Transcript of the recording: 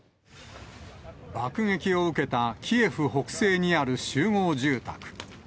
爆撃を受けたキエフ北西にある集合住宅。